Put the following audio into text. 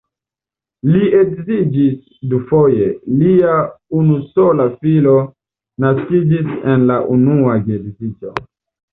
Li edziĝis dufoje, lia unusola filo naskiĝis en la unua geedziĝo.